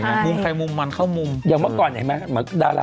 เราสามคนก็ผ่านยุค๙๐มาหมดนะ